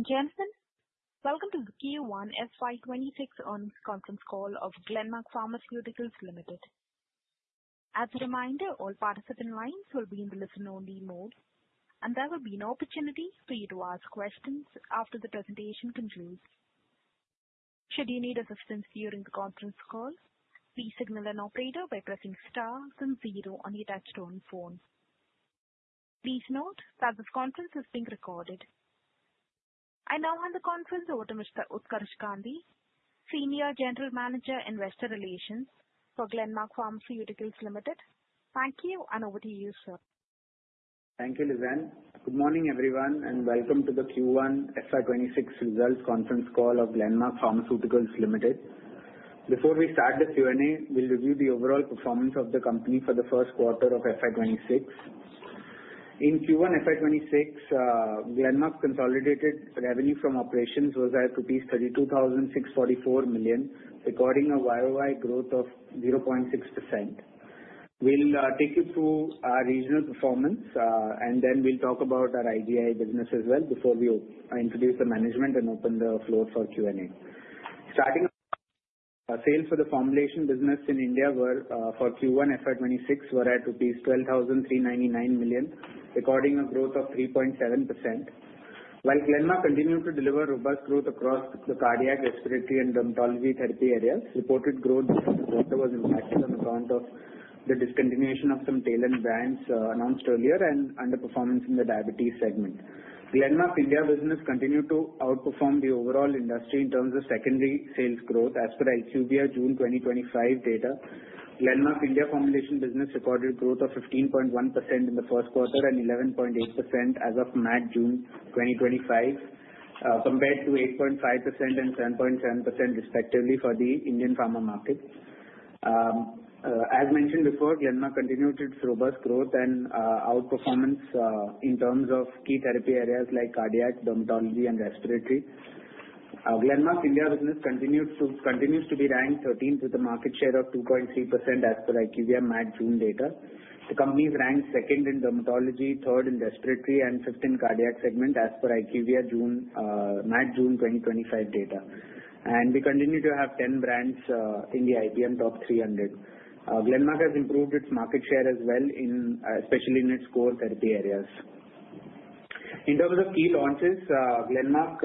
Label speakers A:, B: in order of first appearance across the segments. A: Jensen, welcome to the Q1 FY2026 Earnings Conference Call of Glenmark Pharmaceuticals Limited. As a reminder, all participant lines will be in the listen-only mode, and there will be an opportunity for you to ask questions after the presentation concludes. Should you need assistance during the conference call, please signal an operator by pressing star and zero on the attached phone. Please note that this conference is being recorded. I now hand the conference over to Mr. Utkarsh Gandhi, Senior General Manager, Investor Relations for Glenmark Pharmaceuticals Limited. Thank you, and over to you, sir.
B: Thank you, Levent. Good morning, everyone, and welcome to the Q1 FY2026 Results Conference Call of Glenmark Pharmaceuticals Limited. Before we start the Q&A, we'll review the overall performance of the company for the first quarter of FY2026. In Q1 FY2026, Glenmark's consolidated revenue from operations was at rupees 32,644 million, recording a YOI growth of 0.6%. We'll take you through our regional performance, and then we'll talk about our AGI business as well before we introduce the management and open the floor for Q&A. Starting with sales, for the formulation business in India for Q1 FY2026, were at rupees 12,399 million, recording a growth of 3.7%. While Glenmark continued to deliver robust growth across the cardiac, respiratory, and dermatology therapy areas, reported growth in the quarter was impacted on account of the discontinuation of some tail-end brands announced earlier and underperformance in the diabetes segment. Glenmark India business continued to outperform the overall industry in terms of secondary sales growth. As per IQVIA June 2025 data, Glenmark India formulation business recorded growth of 15.1% in the first quarter and 11.8% as of March-June 2025, compared to 8.5% and 7.7% respectively for the Indian pharma market. As mentioned before, Glenmark continued its robust growth and outperformance in terms of key therapy areas like cardiac, dermatology, and respiratory. Glenmark India business continues to be ranked 13th with a market share of 2.3% as per IQVIA March-June data. The company is ranked second in dermatology, third in respiratory, and fifth in cardiac segment as per IQVIA March-June 2025 data. We continue to have 10 brands in the IPM top 300. Glenmark has improved its market share as well, especially in its core therapy areas. In terms of key launches, Glenmark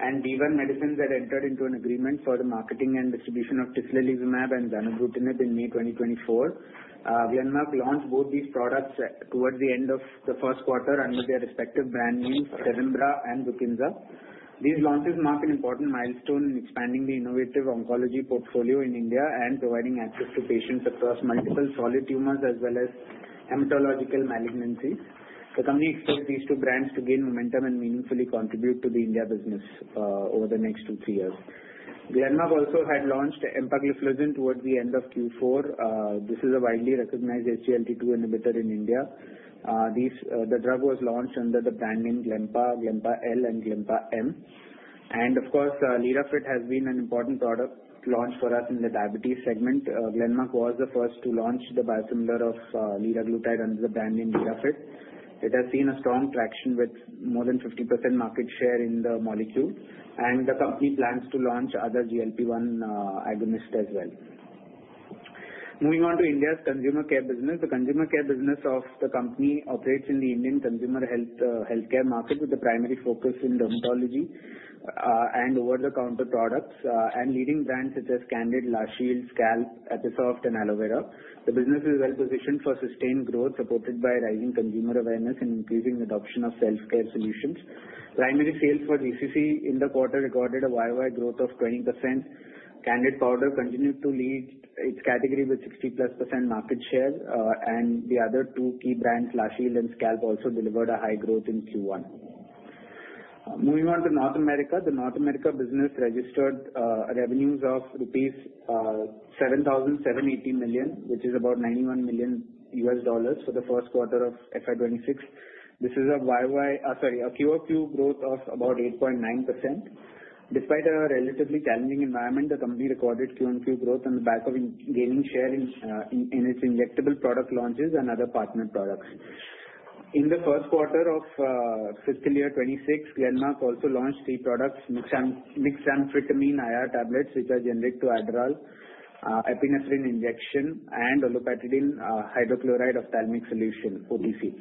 B: and B1 Medicines had entered into an agreement for the marketing and distribution of tislelizumab and zanubrutinib in May 2024. Glenmark launched both these products towards the end of the first quarter under their respective brand names, TEVIMBRA and BRUKINSA. These launches mark an important milestone in expanding the innovative oncology portfolio in India and providing access to patients across multiple solid tumors as well as hematological malignancies. The company expects these two brands to gain momentum and meaningfully contribute to the India business over the next two to three years. Glenmark also had launched empagliflozin towards the end of Q4. This is a widely recognized SGLT2 inhibitor in India. The drug was launched under the brand name Glempa, Glempa L, and Glempa M. Of course, LIRAFIT has been an important product launch for us in the diabetes segment. Glenmark was the first to launch the biosimilar of Liraglutide under the brand name LIRAFIT. It has seen strong traction with more than 50% market share in the molecule, and the company plans to launch other GLP-1 agonists as well. Moving on to India's consumer care business, the consumer care business of the company operates in the Indian consumer healthcare market with the primary focus in dermatology and over-the-counter products and leading brands such as Candid, La Shield, Scalp, Episoft, and Aloe Vera. The business is well positioned for sustained growth, supported by rising consumer awareness and increasing adoption of self-care solutions. Primary sales for GCC in the quarter recorded a YOI growth of 20%. Candid Powder continued to lead its category with 60%+ market share, and the other two key brands, La Shield and Scalp, also delivered high growth in Q1. Moving on to North America, the North America business registered revenues of rupees 7,780 million, which is about $91 million for the first quarter of FY2026. This is a YOI, sorry, a QOQ growth of about 8.9%. Despite a relatively challenging environment, the company recorded QOQ growth on the back of gaining share in its injectable product launches and other partner products. In the first quarter of fiscal year 2026, Glenmark also launched three products: Dextroamphetamine IR tablets, which are generic to Adderall, epinephrine injection, and Olopatadine hydrochloride ophthalmic solution, OTC.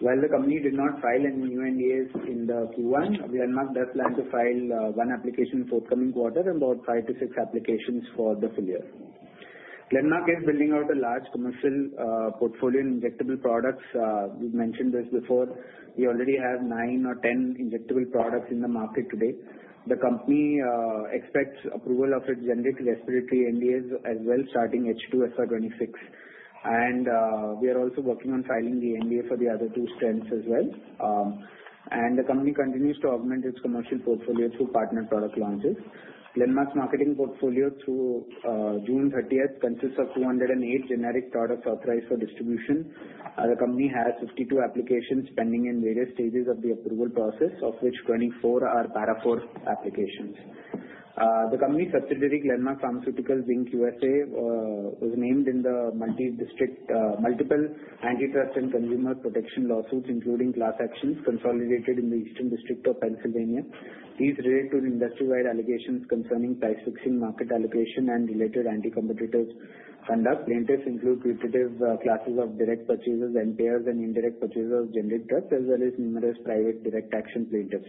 B: While the company did not file any new NDAs in Q1, Glenmark does plan to file one application in the forthcoming quarter and about five to six applications for the full year. Glenmark is building out a large commercial portfolio in injectable products. We've mentioned this before. We already have nine or ten injectable products in the market today. The company expects approval of its generic respiratory NDAs as well, starting H2 FY2026. We are also working on filing the NDA for the other two strands as well. The company continues to augment its commercial portfolio through partner product launches. Glenmark's marketing portfolio through June 30 consists of 308 generic startups authorized for distribution. The company has 52 applications pending in various stages of the approval process, of which 24 are para IV applications. The company's subsidiary, Glenmark Pharmaceuticals Inc. USA, was named in the multi-district, multiple antitrust and consumer protection lawsuits, including class actions consolidated in the Eastern District of Pennsylvania. These relate to the industry-wide allegations concerning price fixing, market allocation, and related anti-competitive conduct. Plaintiffs include repetitive classes of direct purchasers and payors and indirect purchasers of generic drugs, as well as numerous private direct action plaintiffs.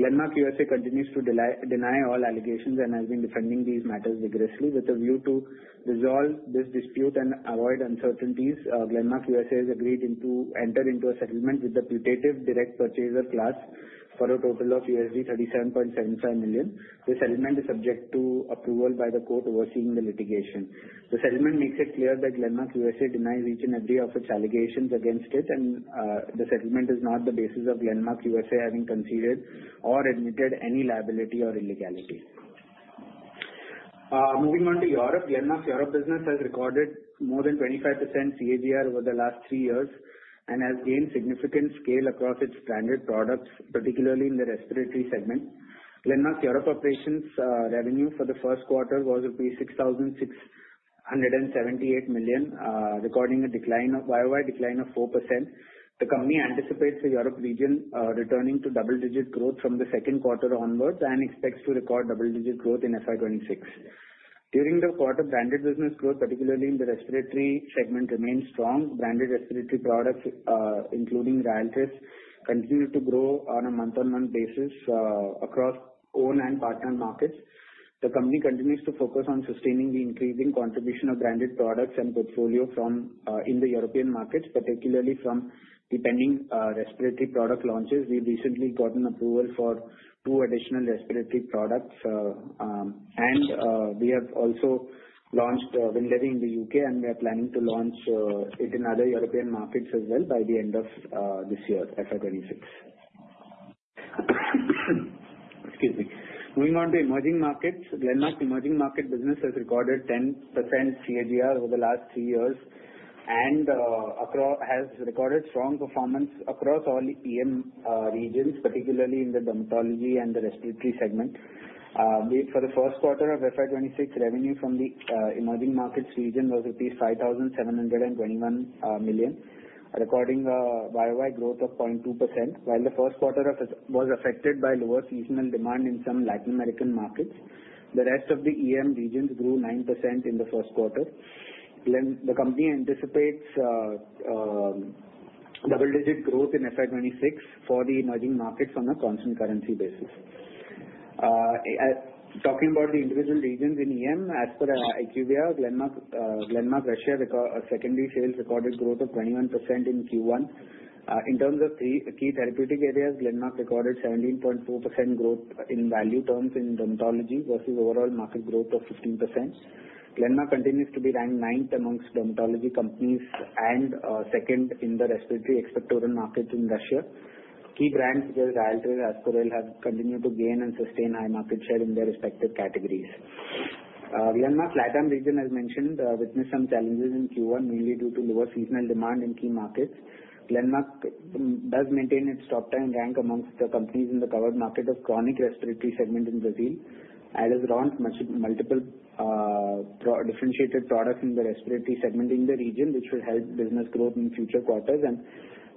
B: Glenmark USA continues to deny all allegations and has been defending these matters vigorously with a view to resolve this dispute and avoid uncertainties. Glenmark USA has agreed to enter into a settlement with the putative direct purchaser class for a total of $37.75 million. The settlement is subject to approval by the court overseeing the litigation. The settlement makes it clear that Glenmark USA denies each and every one of the allegations against it, and the settlement is not the basis of Glenmark USA having conceded or admitted any liability or illegality. Moving on to Europe, Glenmark's Europe business has recorded more than 25% CAGR over the last three years and has gained significant scale across its branded products, particularly in the respiratory segment. Glenmark's Europe operations revenue for the first quarter was rupees 6,678 million, recording a Y-o-Y decline of 4%. The company anticipates the Europe region returning to double-digit growth from the second quarter onward and expects to record double-digit growth in FY2026. During the quarter, branded business growth, particularly in the respiratory segment, remains strong. Branded respiratory products, including RYALTRIS, continue to grow on a month-on-month basis across own and partner markets. The company continues to focus on sustaining the increasing contribution of branded products and portfolio in the European markets, particularly from the pending respiratory product launches. We've recently gotten approval for two additional respiratory products, and we have also launched WINLEVI in the U.K., and we are planning to launch it in other European markets as well by the end of this year, FY2026. Excuse me. Moving on to emerging markets, Glenmark's emerging market business has recorded 10% CAGR over the last three years and has recorded strong performance across all EM regions, particularly in the dermatology and the respiratory segment. For the first quarter of FY2026, revenue from the emerging markets region was rupees 5,721 million, recording a YoY growth of 0.2%. While the first quarter was affected by lower seasonal demand in some Latin American markets, the rest of the EM regions grew 9% in the first quarter. The company anticipates double-digit growth in FY2026 for the emerging markets on a constant currency basis. Talking about the individual regions in EM, as per IQVIA, Glenmark Russia recorded secondary sales growth of 21% in Q1. In terms of key therapeutic areas, Glenmark recorded 17.4% growth in value terms in dermatology versus overall market growth of 15%. Glenmark continues to be ranked ninth amongst dermatology companies and second in the respiratory expectorant market in Russia. Key brands such as RYALTRIS, Ascoril have continued to gain and sustain high market share in their respective categories. Glenmark's Latin region, as mentioned, witnessed some challenges in Q1, mainly due to lower seasonal demand in key markets. Glenmark does maintain its top 10 rank amongst the companies in the covered market of chronic respiratory segment in Brazil and has launched multiple differentiated products in the respiratory segment in the region, which will help business growth in future quarters.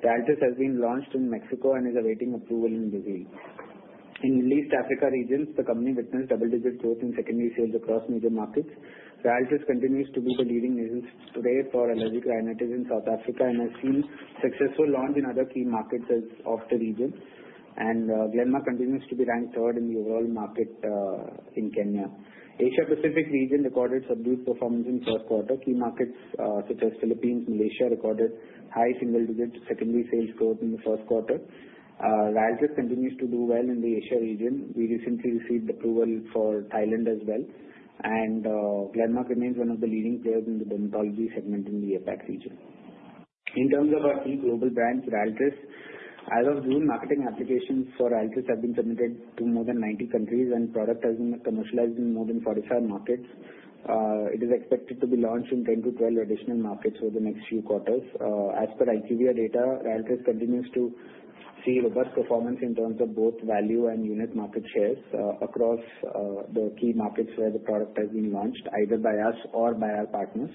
B: RYALTRIS has been launched in Mexico and is awaiting approval in Brazil. In the East Africa regions, the company witnessed double-digit growth in secondary sales across major markets. RYALTRIS continues to book a leading niche rare for allergic rhinitis in South Africa and has seen successful launch in other key markets of the region. Glenmark continues to be ranked third in the overall market in Kenya. Asia-Pacific region recorded subdued performance in the first quarter. Key markets such as Philippines, Malaysia recorded high single-digit secondary sales growth in the first quarter. RYALTRIS continues to do well in the Asia region. We recently received approval for Thailand as well. Glenmark remains one of the leading players in the dermatology segment in the APAC region. In terms of our key global brands, RYALTRIS, as of June, marketing applications for RYALTRIS have been submitted to more than 90 countries, and product has been commercialized in more than 45 markets. It is expected to be launched in 10-12 additional markets over the next few quarters. As per IQVIA data, RYALTRIS continues to see robust performance in terms of both value and unit market shares across the key markets where the product has been launched, either by us or by our partners.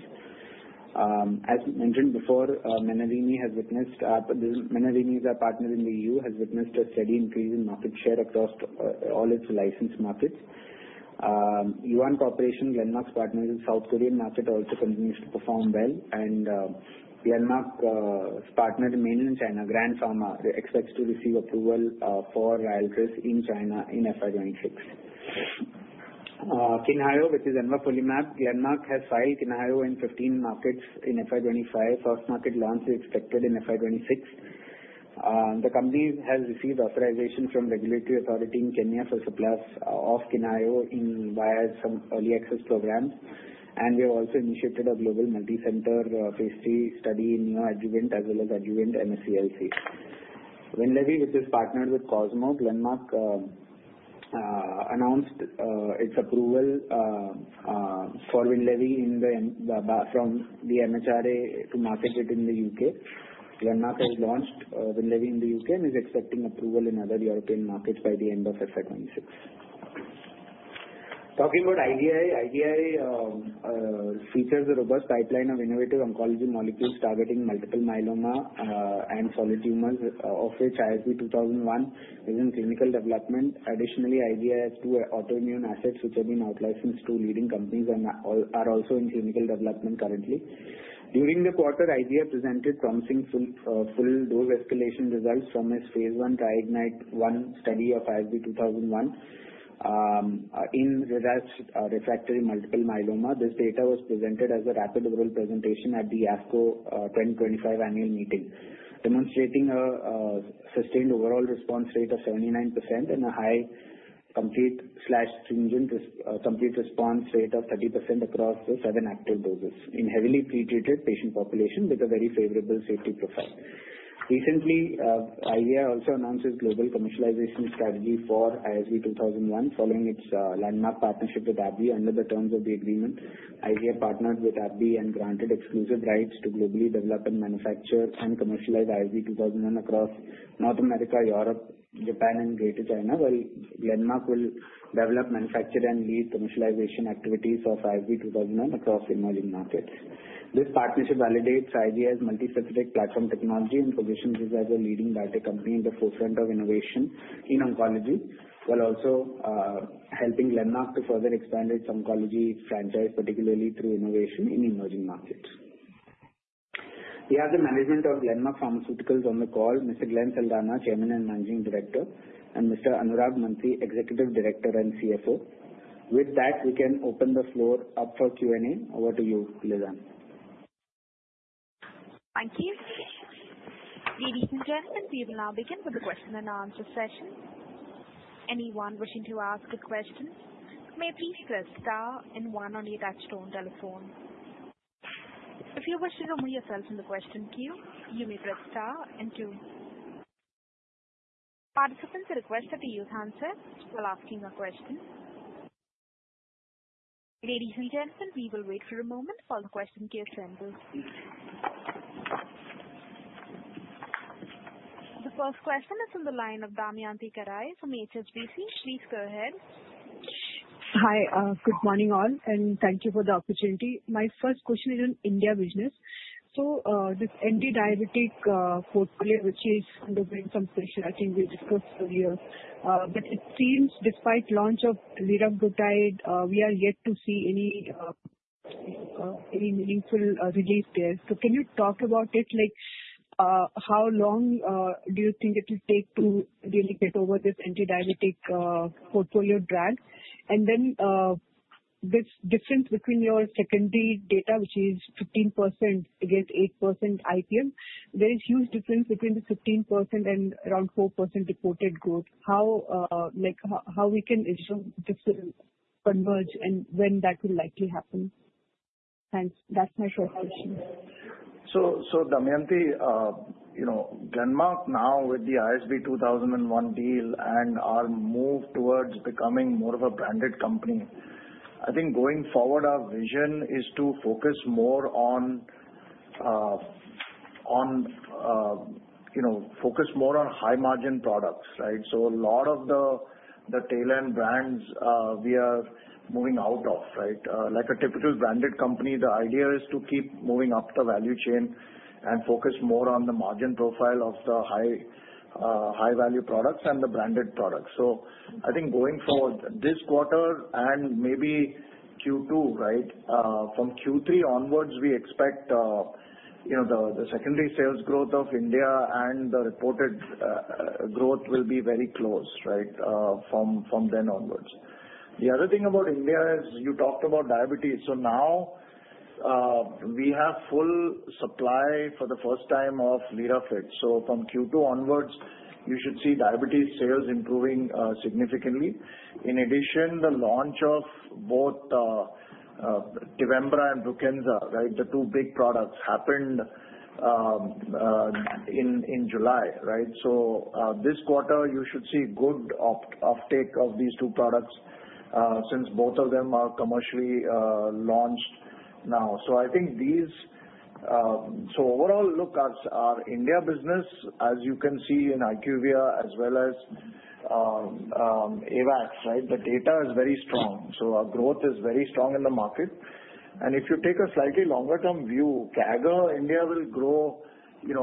B: As mentioned before, Menarini, our partner in the EU, has witnessed a steady increase in market share across all its licensed markets. UN Corporation, Glenmark's partner in the South Korean market, also continues to perform well. Glenmark's partner in mainland China, Grand Pharma, expects to receive approval for RYALTRIS in China in FY2026. QiNHAYO, which is Envafolimab, Glenmark has filed QiNHAYO in 15 markets in FY2025, first market launch expected in FY2026. The company has received authorization from the regulatory authority in Kenya for supply of QiNHAYO via some early access programs. We have also initiated a global multicenter phase III study in neoadjuvant as well as adjuvant NSCLC. WINLEVI, which is partnered with Cosmo, Glenmark announced its approval for WINLEVI from the MHRA to market it in the U.K. Glenmark has launched WINLEVI in the U.K. and is expecting approval in other European markets by the end of FY2026. Talking about IGI, IGI features a robust pipeline of innovative oncology molecules targeting multiple myeloma and solid tumors, of which ISB-2001 is in clinical development. Additionally, IGI has two autoimmune assets which have been out-licensed to two leading companies and are also in clinical development currently. During the quarter, IGI presented promising full-dose escalation results from its phase I TRIDENT-1 study of ISB-2001 in refractory multiple myeloma. This data was presented as a rapid oral presentation at the ASCO 2025 annual meeting, demonstrating a sustained overall response rate of 79% and a high complete/stringent complete response rate of 30% across the seven active doses in a heavily pretreated patient population with a very favorable safety profile. IGI also announced its global commercialization strategy for ISB-2001 following its landmark partnership with AbbVie. Under the terms of the agreement, IGI partnered with AbbVie and granted exclusive rights to globally develop, manufacture, and commercialize ISB-2001 across North America, Europe, Japan, and Greater China, while Glenmark will develop, manufacture, and lead commercialization activities of ISB-2001 across emerging markets. This partnership validates IGI's multispecific platform technology and positions it as a leading biotechnology company at the forefront of innovation in oncology, while also helping Glenmark to further expand its oncology franchise, particularly through innovation in emerging markets. We have the management of Glenmark Pharmaceuticals on the call, Mr. Glenn Saldanha, Chairman and Managing Director, and Mr. Anurag Mantri, Executive Director and CFO. With that, we can open the floor up for Q&A. Over to you, Lizanne.
A: Thank you. Ladies and gentlemen, we will now begin with the question-and-answer session. Anyone wishing to ask a question may please press star and one on the attached phone telephone. If you wish to remove yourself from the question queue, you may press star and two. Participants are requested to use handsets while asking a question. Ladies and gentlemen, we will wait for a moment while the question queue assembles. The first question is on the line of Damayanti Kerai from HSBC. Please go ahead.
C: Hi. Good morning all, and thank you for the opportunity. My first question is on India business. This antidiuretic portfolio, which is undergoing some specializing we discussed earlier, but it seems despite the launch of Liraglutide, we are yet to see any meaningful relief there. Can you talk about it? How long do you think it will take to get over this antidiabetic portfolio drag? This difference between your secondary data, which is 15% against 8% IPM, there is a huge difference between the 15% and around 4% reported growth. How can we ensure this will converge and when that will likely happen? That's my short question.
D: Damayanthi, Glenmark now with the ISB-2001 deal and our move towards becoming more of a branded company, I think going forward, our vision is to focus more on high-margin products, right? A lot of the tail end brands we are moving out of, right? Like a typical branded company, the idea is to keep moving up the value chain and focus more on the margin profile of the high-value products and the branded products. I think going forward this quarter and maybe Q2, right, from Q3 onwards, we expect the secondary sales growth of India and the reported growth will be very close, right, from then onwards. The other thing about India is you talked about diabetes. Now we have full supply for the first time of LIRAFIT. From Q2 onwards, you should see diabetes sales improving significantly. In addition, the launch of both TEVIMBRA and BRUKINSA, the two big products, happened in July, right? This quarter, you should see good uptake of these two products since both of them are commercially launched now. Overall, look at our India business, as you can see in IQVIA as well as AWAX, the data is very strong. Our growth is very strong in the market. If you take a slightly longer-term view, CAGR, India will grow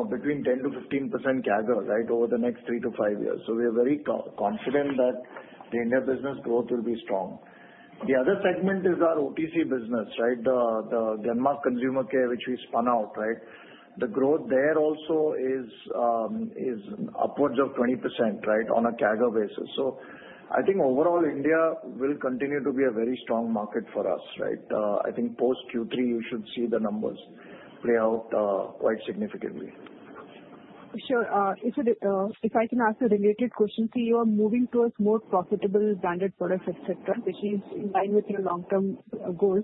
D: between 10%-15% CAGR over the next three to five years. We are very confident that the India business growth will be strong. The other segment is our OTC business, the Glenmark consumer care, which we spun out, right? The growth there also is upwards of 20% on a CAGR basis. Overall, India will continue to be a very strong market for us, right? I think post-Q3, you should see the numbers play out quite significantly.
C: Sure. If I can ask a related question, you are moving towards more profitable branded products, which is in line with your long-term goal.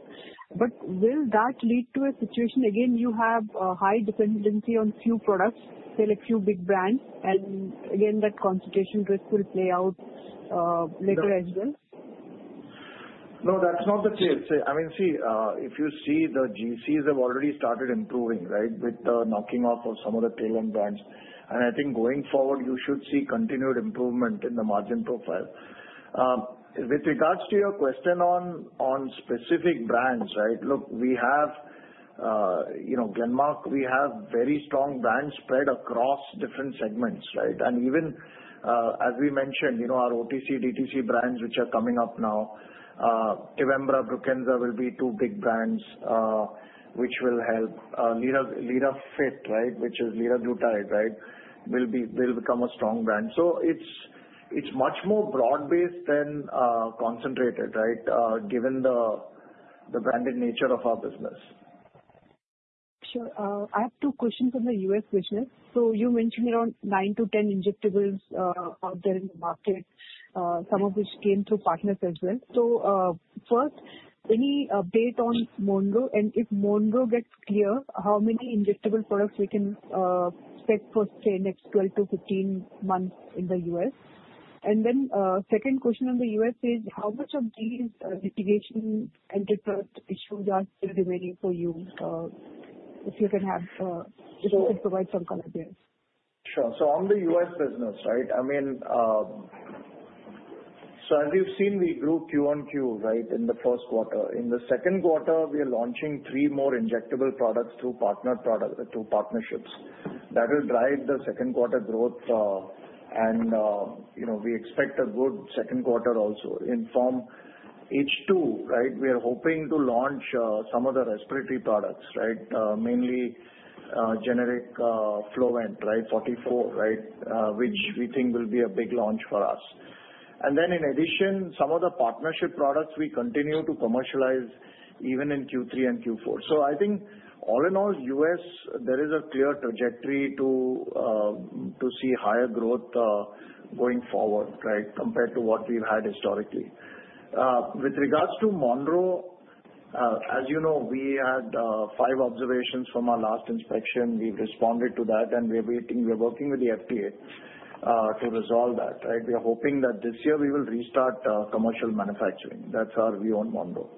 C: Will that lead to a situation again where you have a high dependency on a few products, a few big brands, and that concentration risk will play out later as well?
D: No, that's not the case. I mean, see, if you see the GCs have already started improving, right, with the knocking off of some of the tail end brands. I think going forward, you should see continued improvement in the margin profile. With regards to your question on specific brands, right, look, we have, you know, Glenmark, we have very strong brands spread across different segments, right? Even, as we mentioned, you know, our OTC, DTC brands, which are coming up now, TEVIMBRA, BRUKINSA will be two big brands, which will help. LIRAFIT, right, which is Liraglutide, right, will become a strong brand. It's much more broad-based than concentrated, right, given the branded nature of our business.
C: I have two questions on the U.S. business. You mentioned around 9-10 injectables out there in the market, some of which came through partners as well. First, any update on Monroe? If Monroe gets clear, how many injectable products can we expect for, say, the next 12-15 months in the U.S.? The second question in the U.S. is how much of these mitigation enterprise issues are still remaining for you? If you can provide some kind of data.
D: Sure. On the U.S. business, as we've seen, we grew Q1Q in the first quarter. In the second quarter, we are launching three more injectable products through partner products, through partnerships. That will drive the second quarter growth. We expect a good second quarter also in form H2. We are hoping to launch some of the respiratory products, mainly generic Flovent 44, which we think will be a big launch for us. In addition, some of the partnership products we continue to commercialize even in Q3 and Q4. All in all, U.S., there is a clear trajectory to see higher growth going forward compared to what we've had historically. With regards to Monroe, as you know, we had five observations from our last inspection. We've responded to that, and we're waiting. We're working with the FDA to resolve that. We are hoping that this year we will restart commercial manufacturing. That's our view on Monroe.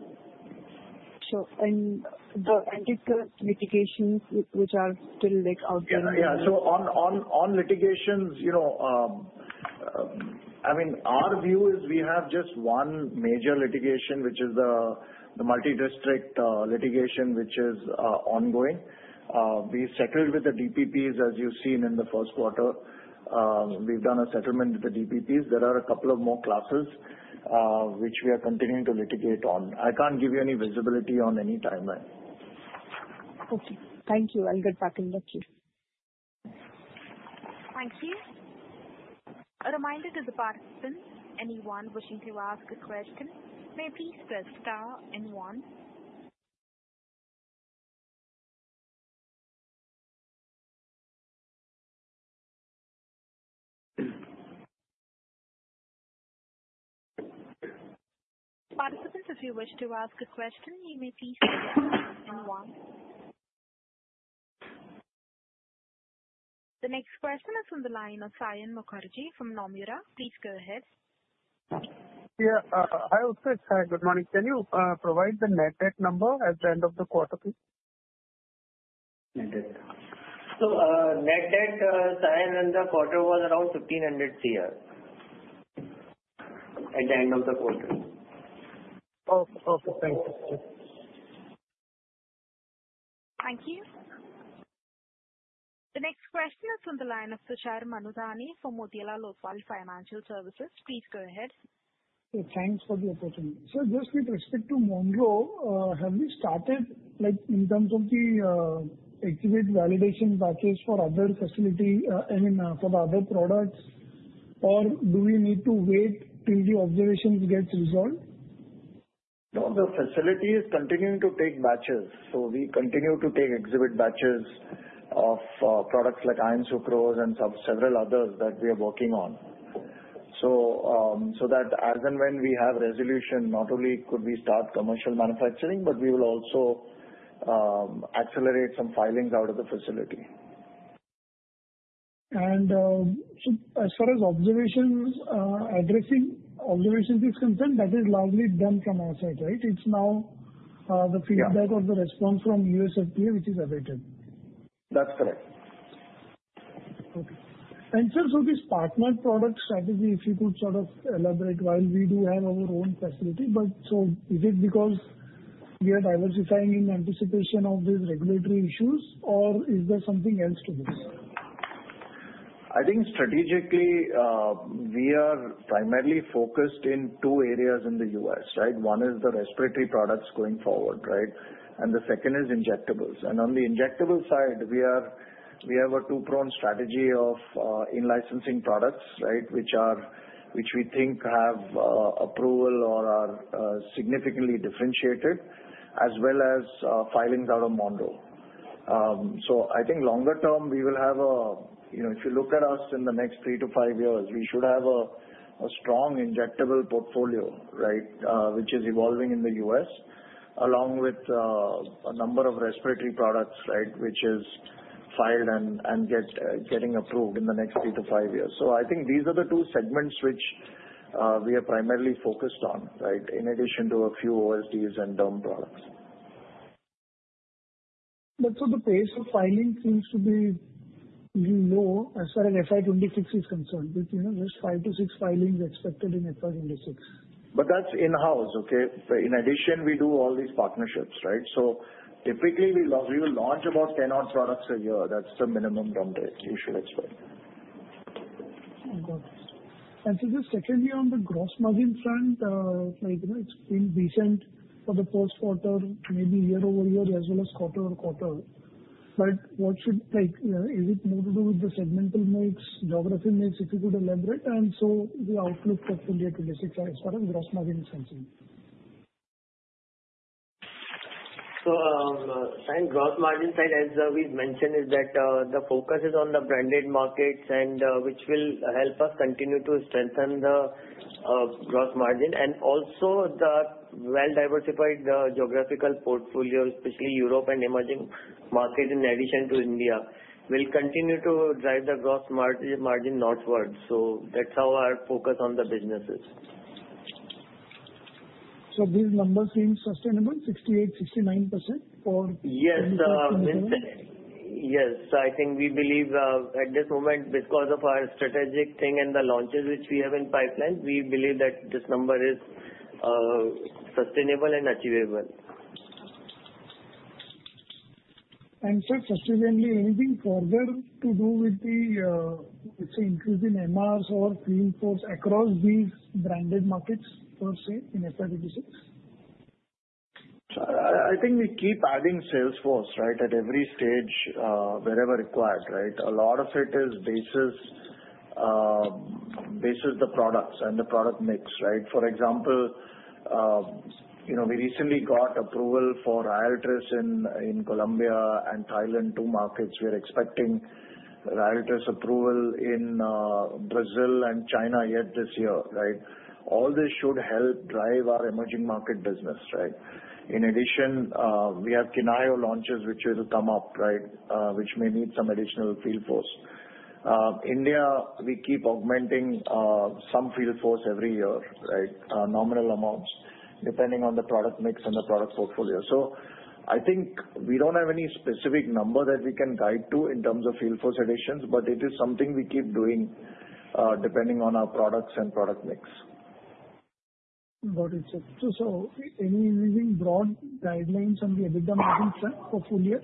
C: Sure. The antitrust litigations, which are still out there.
D: Yeah. On litigations, our view is we have just one major litigation, which is the multidistrict litigation, which is ongoing. We settled with the DPPs, as you've seen in the first quarter. We've done a settlement with the DPPs. There are a couple of more classes, which we are continuing to litigate on. I can't give you any visibility on any timeline.
C: Okay, thank you. Good luck in that case.
A: Thank you. A reminder to the participants, anyone wishing to ask a question may please press star and one. Participants, if you wish to ask a question, you may please do so. The next question is on the line of Saion Mukherjee from Nomura. Please go ahead.
E: Good morning. Can you provide the net debt number at the end of the quarter?
F: Net debt, the end of the quarter was around 1,500 crore at the end of the quarter.
E: Oh, perfect. Thanks.
A: Thank you. The next question is on the line of Tushar Manudhane from Motilal Oswal Financial Services. Please go ahead.
G: Okay. Thanks for the opportunity. Just with respect to Monroe, have we started in terms of the HVAC validation batches for other facilities, I mean, for the other products, or do we need to wait till the observations get resolved?
D: No, the facility is continuing to take batches. We continue to take exhibit batches of products like Iron Sucrose and several others that we are working on. As and when we have resolution, not only could we start commercial manufacturing, but we will also accelerate some filings out of the facility.
G: As far as observations, addressing observations is something that is largely done from our side, right? It's now the feedback or the response from U.S. FDA, which is awaited.
D: That's correct.
G: Okay. Sir, this partner product strategy, if you could sort of elaborate while we do have our own facility, is it because we are diversifying in anticipation of these regulatory issues, or is there something else to do?
D: I think strategically, we are primarily focused in two areas in the U.S., right? One is the respiratory products going forward, right? The second is injectables. On the injectable side, we have a two-prong strategy of in-licensing products, right, which we think have approval or are significantly differentiated, as well as filings out of Monroe. I think longer term, if you look at us in the next three to five years, we should have a strong injectable portfolio, right, which is evolving in the U.S., along with a number of respiratory products, right, which are filed and getting approved in the next three to five years. I think these are the two segments which we are primarily focused on, right, in addition to a few OSDs and derm products.
G: The pace of filing seems to be low as far as FY2026 is concerned. There's five to six filings expected in FY2026.
D: That's in-house, okay? In addition, we do all these partnerships, right? Typically, we launch about 10 odd products a year. That's the minimum number, actually.
G: Okay. Just secondly, on the gross margin front, it's been decent for the first quarter, maybe year-over-year, as well as quarter-over-quarter. What should take, is it more to do with the segmental mix, geography mix? If you could elaborate on the outlook for 2025 as far as gross margin is concerned.
F: On the gross margin side, as we've mentioned, the focus is on the branded markets, which will help us continue to strengthen the gross margin. Also, the well-diversified geographical portfolio, especially Europe and emerging markets, in addition to India, will continue to drive the gross margin northward. That's how our focus on the business is.
G: These numbers seem sustainable, 68%, 69%, or?
F: Yes. We believe at this moment, because of our strategic thing and the launches which we have in pipeline, we believe that this number is sustainable and achievable.
G: Sir, subsequently, anything further to do with the, let's say, increasing MRs or clean force across these branded markets per se in FY2026?
D: I think we keep adding sales force at every stage, wherever required. A lot of it is based on the products and the product mix. For example, we recently got approval for RYALTRIS in Colombia and Thailand, two markets. We are expecting RYALTRIS approval in Brazil and China yet this year. All this should help drive our emerging market business. In addition, we have QiNHAYO launches, which will come up, which may need some additional field force. In India, we keep augmenting some field force every year, nominal amounts, depending on the product mix and the product portfolio. I think we don't have any specific number that we can guide to in terms of field force additions, but it is something we keep doing depending on our products and product mix.
G: Got it. Any really broad guidelines on the EBITDA margin set for full year?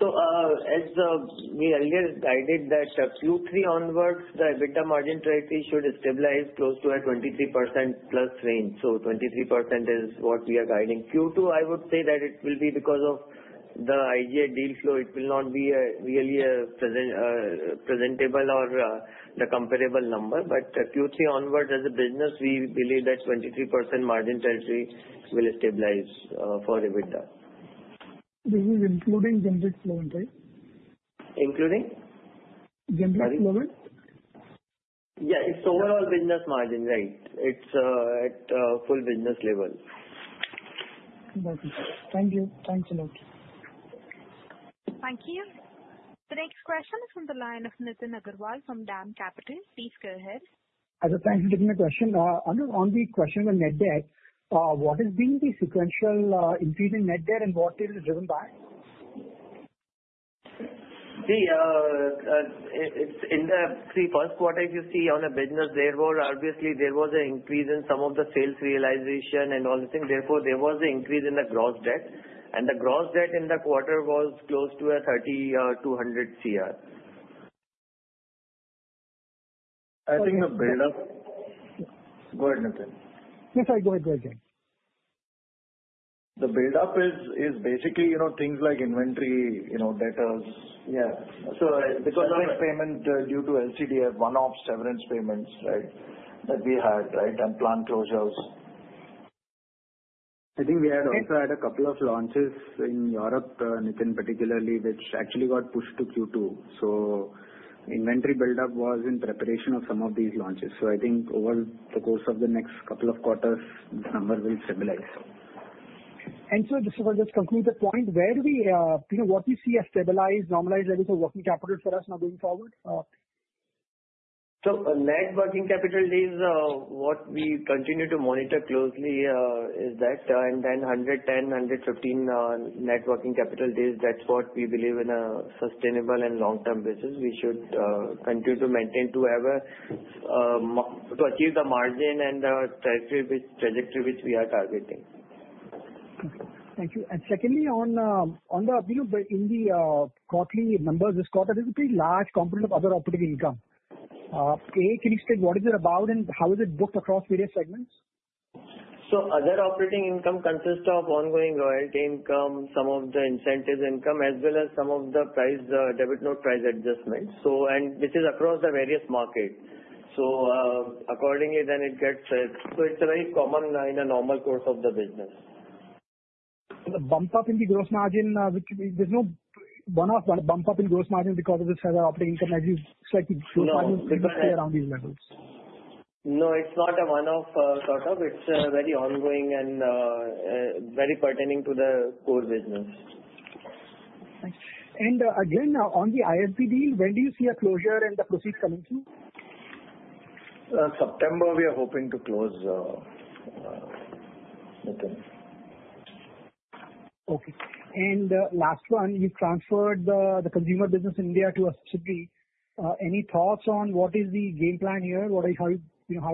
F: As we earlier guided, Q3 onwards, the EBITDA margin trajectory should stabilize close to a 23%+ range. 23% is what we are guiding. Q2, I would say that it will be because of the idea deal flow. It will not be really a presentable or comparable number. Q3 onwards, as a business, we believe that 23% margin trajectory will stabilize for EBITDA.
G: This is including generic Flovent, right?
F: Including?
G: Generic Flovent?
F: Yeah. It's overall business margin, right? It's at full business levels.
G: That's it. Thank you. Thanks a lot.
A: Thank you. The next question is on the line of Nitin Agarwal from DAM Capital. Please go ahead.
H: Thanks for taking the question. On the question of net debt, what has been the sequential increase in net debt and what is it driven by?
F: See, it's in the first quarter, as you see on the business, therefore, obviously, there was an increase in some of the sales realization and all the things. Therefore, there was an increase in the gross debt. The gross debt in the quarter was close to 3,200 crore.
D: I think the buildup. Go ahead, Nithan.
H: Sorry, go ahead.
D: The buildup is basically things like inventory, debtors. Because of the payment due to LCDF, one-off severance payments that we had, and planned closure also.
F: I think we had also had a couple of launches in Europe, Nithan particularly, which actually got pushed to Q2. Inventory buildup was in preparation of some of these launches. I think over the course of the next couple of quarters, the number will stabilize.
H: Sir, just to complete the point, where do you, you know, what do you see as stabilized, normalized? Anything working capital for us now going forward?
F: Net working capital is what we continue to monitor closely, and then 110, 115 net working capital days, that's what we believe in a sustainable and long-term basis. We should continue to maintain to achieve the margin and the trajectory which we are targeting.
H: Thank you. Secondly, in the quarterly numbers this quarter, there's a pretty large component of other operating income. Can you explain what is it about and how is it booked across various segments?
F: Other operating income consists of ongoing royalty income, some of the incentives income, as well as some of the price, the debit note price adjustment, which is across the various markets. Accordingly, it gets, it's very common in a normal course of the business.
H: The bump up in the gross margin, there's no one-off bump up in gross margin because of this other operating income, as you said, one around these levels?
F: No, it's not a one-off product. It's very ongoing and very pertaining to the core business.
H: Thanks. On the IRP deal, when do you see a closure and the proceeds coming through?
D: September, we are hoping to close, Nithan.
H: Okay. Last one, you transferred the consumer business in India to SGTC. Any thoughts on what is the game plan here? How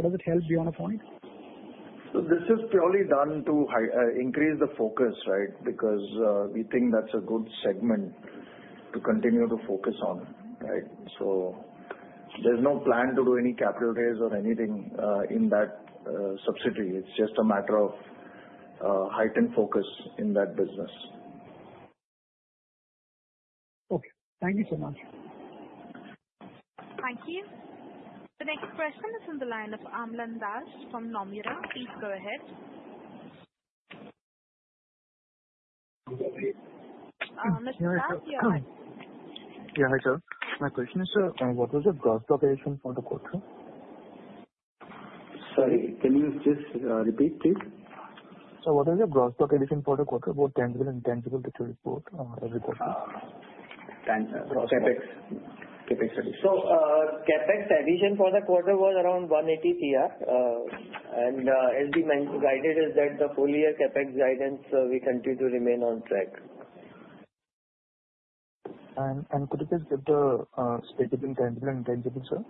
H: does it help beyond a point?
D: This is purely done to increase the focus, right, because we think that's a good segment to continue to focus on, right? There's no plan to do any capital raise or anything in that subsidy. It's just a matter of heightened focus in that business.
H: Okay, thank you so much.
A: Thank you. The next question is on the line of Amlan Das from Nomura. Please go ahead. Mr. Das, you're on.
I: Yeah, hi, sir. My question is, sir, what was your gross calculation for the quarter?
F: Sorry, can you just repeat, please?
I: What was your gross calculation for the quarter, both tangible and intangible, that you report every quarter?
F: For Capex?
I: Capex, sorry.
F: CapEx addition for the quarter was around INR 180 crore, and as we guided, the whole year CapEx guidance continues to remain on track.
I: Could you just give the difference between tangible and intangible, sir?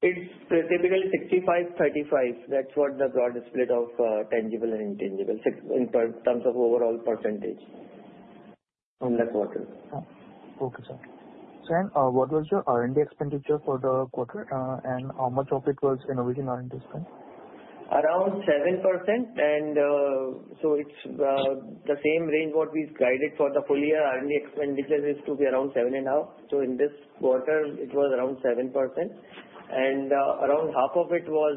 F: It's typically 65%, 35%. That's what the broadest split of tangible and intangible in terms of overall percentage on the quarter.
I: Okay, sir. What was your R&D expenditure for the quarter? How much of it was in original R&D spend?
F: Around 7%. It's the same range we guided for the full year. R&D expenditures used to be around 7.5%. In this quarter, it was around 7%, and around half of it was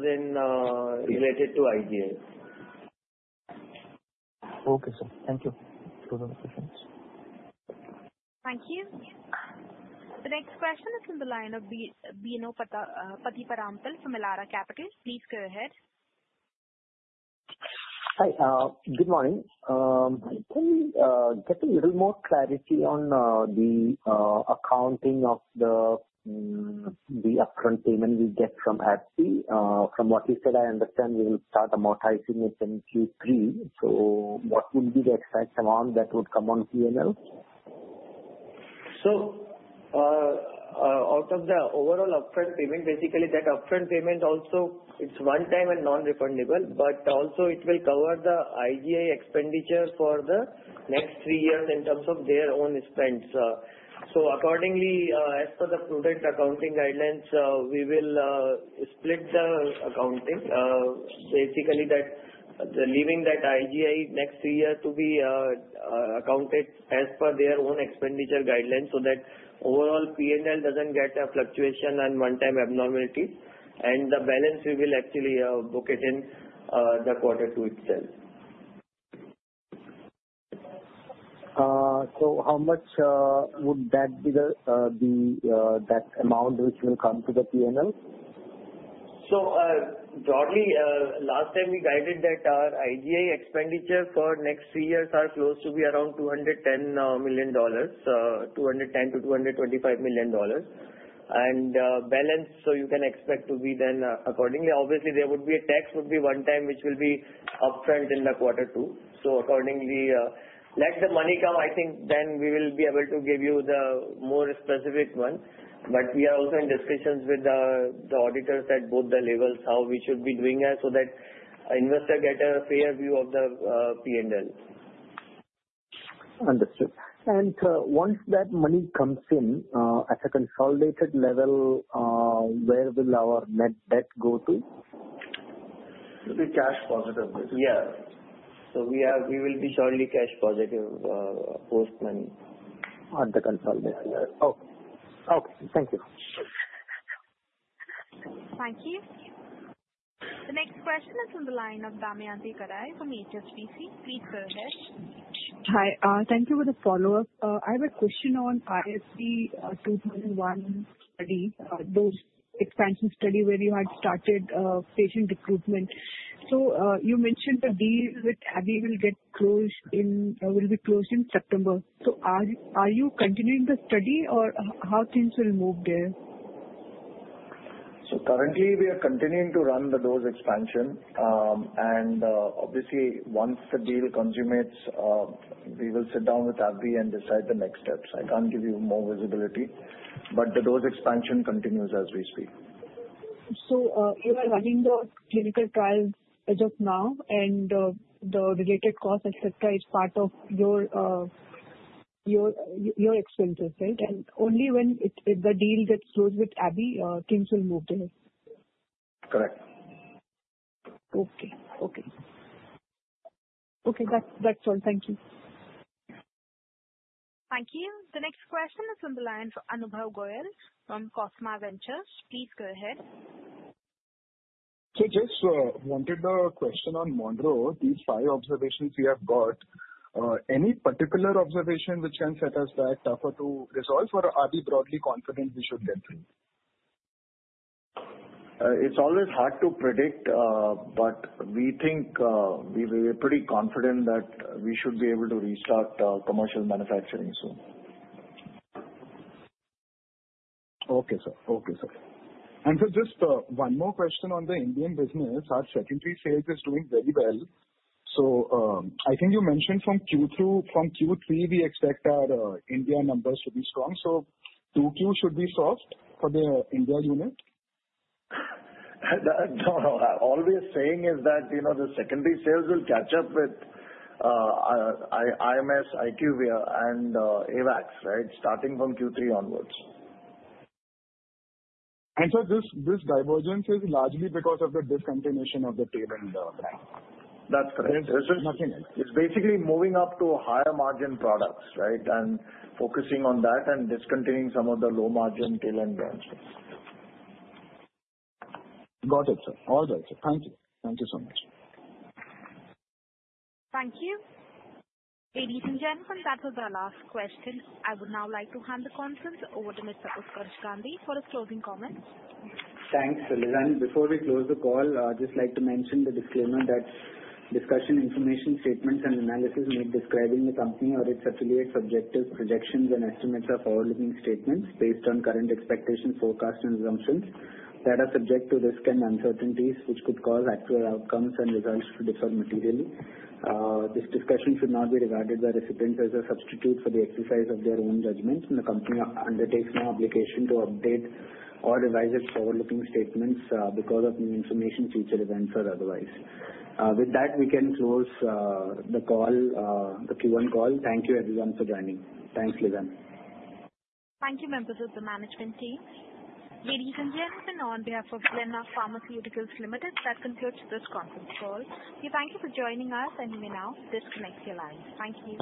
F: related to IGA.
I: Okay, sir. Thank you. That's all the question.
A: Thank you. The next question is on the line of Bino Pathiparampil from Elara Capitals. Please go ahead.
J: Hi. Good morning. Can you get a little more clarity on the accounting of the upfront payment we get from SGT? From what you said, I understand we will start amortizing it in Q3. What would be the exact amount that would come on P&L?
F: Out of the overall upfront payment, basically, that upfront payment also, it's one-time and non-refundable. It will cover the IGA expenditure for the next three years in terms of their own spends. Accordingly, as per the prudent accounting guidelines, we will split the accounting. Basically, that leaving that IGA next year to be accounted as per their own expenditure guidelines so that overall P&L doesn't get a fluctuation and one-time abnormalities. The balance, we will actually book it in the quarter to itself.
J: How much would that be, the amount which will come to the P&L?
F: Broadly, last time we guided that our IGA expenditure for the next three years is close to be around $210 million, $210 million-$225 million. Balance, so you can expect to be then accordingly. Obviously, there would be a tax which will be one-time, which will be upfront in the quarter two. Accordingly, let the money come. I think then we will be able to give you the more specific one. We are also in discussions with the auditors at both the levels how we should be doing that so that investors get a fair view of the P&L.
J: Understood. Once that money comes in at a consolidated level, where will our net debt go to?
F: It will be cash positive. We will be shortly cash positive post money on the consolidation.
J: Okay. Okay. Thank you.
A: Thank you. The next question is on the line of Damayanthi Kerai from HSBC. Please go ahead.
C: Hi. Thank you for the follow-up. I have a question on the ISB-2001 study, those expansion study where you had started patient recruitment. You mentioned a deal with AbbVie will be closed in September. Are you continuing the study, or how things will move there?
D: We are continuing to run the dose expansion. Obviously, once the deal consummates, we will sit down with AbbVie and decide the next steps. I can't give you more visibility. The dose expansion continues as we speak.
C: You are running the clinical trials as of now, and the related cost, etc., is part of your expenses, right? Only when the deal gets closed with AbbVie, things will move there.
D: Correct.
C: Okay. That's all. Thank you.
A: Thank you. The next question is on the line for Anubhav Goel from Cosma Ventures. Please go ahead.
K: I just wanted the question on Monroe. These five observations we have got, any particular observation which can set us back, tougher to resolve, or are we broadly confident we should get through?
D: It's always hard to predict, but we think we are pretty confident that we should be able to restart commercial manufacturing soon.
K: Okay, sir. For just one more question on the Indian business, our secondary sales is doing very well. I think you mentioned from Q3, we expect our India numbers to be strong. Q2 should be soft for the India unit?
D: What we're saying is that, you know, the secondary sales will catch up with IMS, IQVIA, and AWAX, right, starting from Q3 onwards.
K: This divergence is largely because of the discontinuation of the tail end brand.
D: That's correct. It's basically moving up to higher margin products, right, and focusing on that, discontinuing some of the low margin tail end brands.
K: Got it, sir. All right, sir. Thank you.
D: Thank you so much.
A: Thank you. Ladies and gentlemen, that was our last question. I would now like to hand the call over to Mr. Utkarsh Gandhi for his closing comments.
B: Thanks, Salir. Before we close the call, I'd just like to mention the disclaimer that discussing information statements and analysis made describing the company or its affiliates' objectives, projections, and estimates are forward-looking statements based on current expectations, forecasts, and assumptions that are subject to risk and uncertainties which could cause actual outcomes and results to differ materially. This discussion should not be regarded by recipients as a substitute for the exercise of their own judgment. The company undertakes no obligation to update or revise its forward-looking statements because of new information, future events, or otherwise. With that, we can close the call, the Q1 call. Thank you, everyone, for joining. Thanks, Lizanne.
A: Thank you, members of the management team. Ladies and gentlemen, on behalf of Glenmark Pharmaceuticals Limited, that concludes this conference call. We thank you for joining us, and we will now disconnect the line. Thank you.